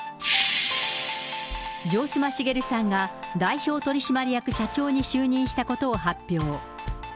城島茂さんが代表取締役社長に就任したことを発表。